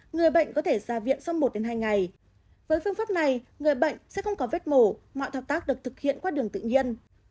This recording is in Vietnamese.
người bệnh có thể ra viện sau một hai ngày với phương pháp này người bệnh sẽ không có vết mổ mọi thao tác được thực hiện qua đường tự nhiên